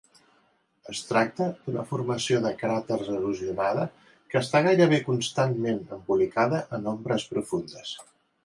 Es tracta d'una formació de cràters erosionada que està gairebé constantment embolicada en ombres profundes.